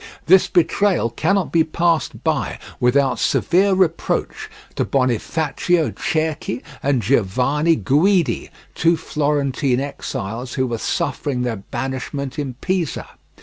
This betrayal cannot be passed by without severe reproach to Bonifacio Cerchi and Giovanni Guidi, two Florentine exiles who were suffering their banishment in Pisa.